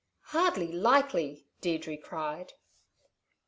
"Hardly likely!" Deirdre cried.